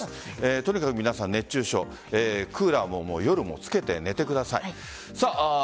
とにかく皆さん、熱中症クーラーも夜もつけて寝てください。